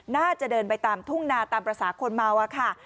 น่าจะเดินไปตามทุ่งนาตามภาษาคนเมาอะค่ะ